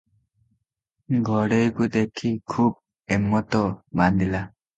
ଘଡ଼େଇକୁ ଦେଖି ଖୁବ୍ ହେମତ୍ ବାନ୍ଧିଲା ।